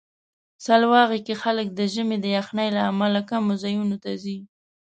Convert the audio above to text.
سلواغه کې خلک د ژمي د یخنۍ له امله کمو ځایونو ته ځي.